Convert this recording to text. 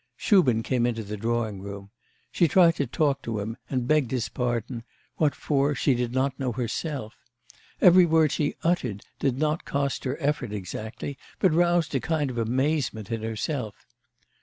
Shubin came into the drawing room. She tried to talk to him, and begged his pardon, what for she did not know herself.... Every word she uttered did not cost her effort exactly, but roused a kind of amazement in herself.